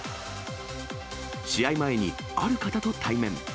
試合前に、ある方と対面。